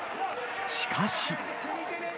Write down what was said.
しかし。